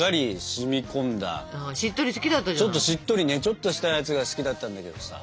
ちょっとしっとりねちょっとしたやつが好きだったんだけどさ。